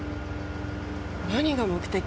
何が目的？